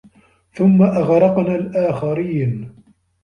ثُمَّ أَغرَقنَا الآخَرينَ